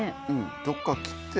どこか切って？